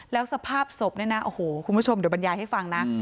แล้วสภาพศพเนี่ยนะโอ้โหคุณผู้ชมเดี๋ยวบรรยายให้ฟังนะ